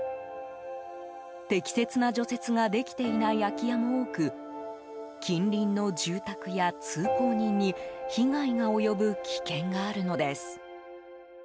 適切な除雪ができていない空き家も多く近隣の住宅や通行人に被害が及ぶ危険があるのです。